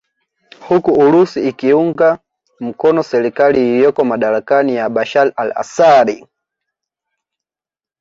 Huku Urusi ikiunga mkono serikali iliyoko madarakani ya Bashar Al Assad